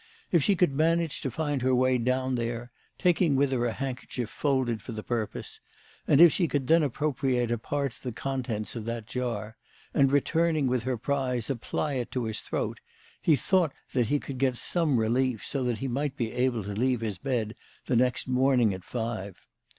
If she could manage to find her way down there, taking with her a handkerchief folded for the purpose, and if she could then appropriate a part of the contents of that jar, and, returning with her prize, apply it to his throat, he thought that he could get some relief, so that he might be able to leave his bed the next morning at five.